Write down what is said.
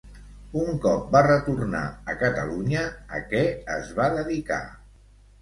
Un cop va retornar a Catalunya, a què es va dedicar?